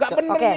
gak bener ini